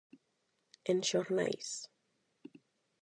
En xornais.